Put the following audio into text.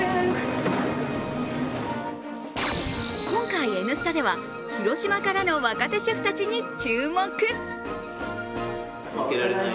今回、「Ｎスタ」では広島からの若手シェフたちに注目。